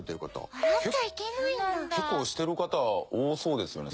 結構してる方多そうですよね。